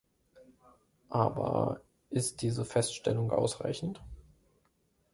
Aber ist diese Feststellung ausreichend?